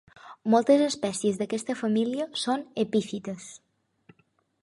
Moltes espècies d'aquesta família són epífites.